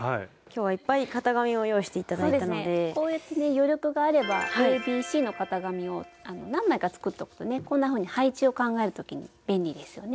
余力があればＡＢＣの型紙を何枚か作っておくとねこんなふうに配置を考える時に便利ですよね。